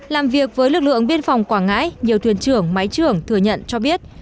làm việc với lực lượng biên phòng quảng ngãi nhiều thuyền trưởng máy trưởng thừa nhận cho biết